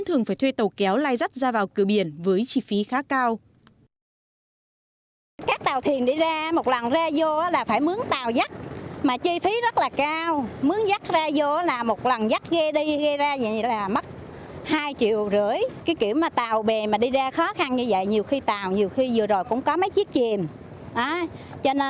thường phải thuê tàu kéo lai rắt ra vào cửa biển với chi phí khá cao